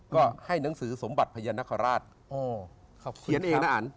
ก็ให้หนังสือสมบัติพญานาคาราชอ๋อเขาเขียนเองนะอัน